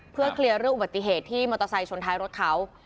เพื่อเคลียร์เรื่องอุบัติเหตุที่มอเตอร์ไซค์ชนท้ายรถเขา